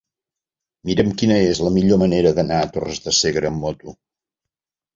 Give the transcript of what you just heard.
Mira'm quina és la millor manera d'anar a Torres de Segre amb moto.